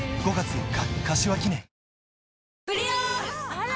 あら！